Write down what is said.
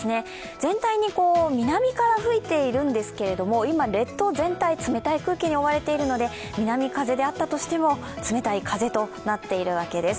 全体に南から吹いているんですけども、今、列島全体冷たい空気に覆われているので南風であったとしても冷たい風となっています。